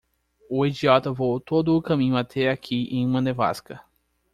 O idiota voou todo o caminho até aqui em uma nevasca.